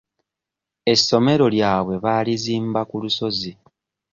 Essomero lyabwe baalizimba ku lusozi.